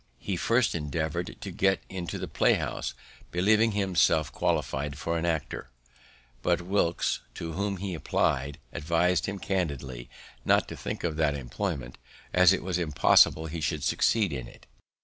He first endeavoured to get into the play house, believing himself qualify'd for an actor; but Wilkes, to whom he apply'd, advis'd him candidly not to think of that employment, as it was impossible he should succeed in it.